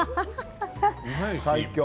最強。